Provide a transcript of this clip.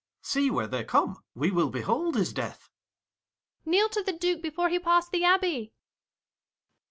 Ang. See where they come: we will behold his death. Luc. Kneel to the Duke before he pass the abbey.